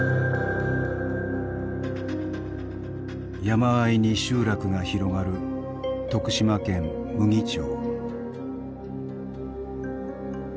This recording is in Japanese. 山あいに集落が広がる徳島県牟岐町。